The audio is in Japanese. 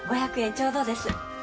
ちょうどです